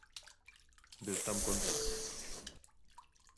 Byl tam kontakt.